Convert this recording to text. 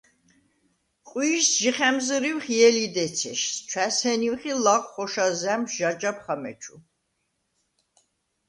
ყვიჟს ჟი ხა̈მზჷრივხ ჲელი დეცეშს, ჩვა̈ზჰენივხ ი ლაღვ ხოშა ზა̈მშვ ჟი აჯაბხ ამეჩუ.